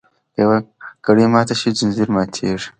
که یوه کړۍ ماته شي ځنځیر ماتیږي.